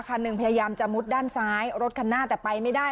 คันหนึ่งพยายามจะมุดด้านซ้ายรถคันหน้าแต่ไปไม่ได้